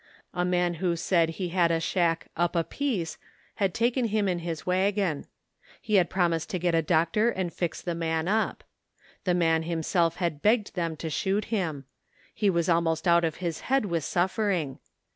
A man who said he had a shack '^ up a piece " had taken him in his wagon. He had promised to get a doctor and fix the man up. The man himself had begged them to shoot him. He was almost out of his head with suffering.